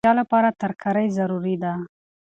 د روغتیا لپاره ترکاري ضروري ده.